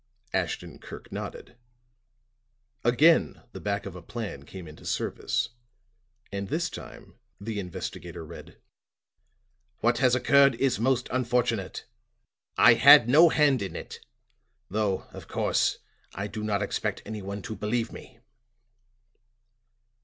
Ashton Kirk nodded. Again the back of a plan came into service and this time the investigator read. "What has occurred is most unfortunate. I had no hand in it, though, of course, I do not expect anyone to believe me."